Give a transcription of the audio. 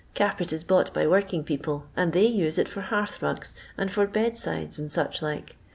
Carpet is bought by working people, and they use it for hearth rugs, and for bed sides, and such like.